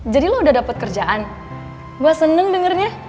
jadi lo udah dapet kerjaan gue seneng dengernya